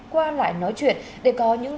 qua loại nói chuyện để có những